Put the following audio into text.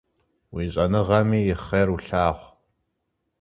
Уи щӏэныгъэми и хъер улъагъу!